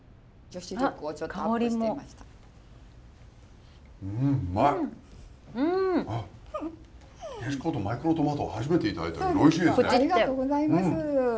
ありがとうございます。